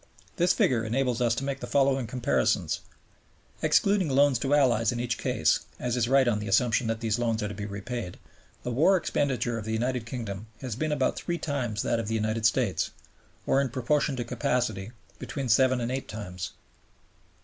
This figure enables us to make the following comparison: Excluding loans to Allies in each case (as is right on the assumption that these loans are to be repaid), the war expenditure of the United Kingdom has been about three times that of the United Sates, or in proportion to capacity between seven and eight times.